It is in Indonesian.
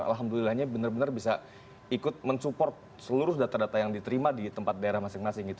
alhamdulillahnya benar benar bisa ikut mensupport seluruh data data yang diterima di tempat daerah masing masing